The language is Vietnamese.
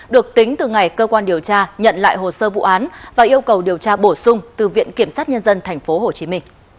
được tính từ ngày cơ quan điều tra nhận lại hồ sơ vụ án và yêu cầu điều tra bổ sung từ viện kiểm sát nhân dân tp hcm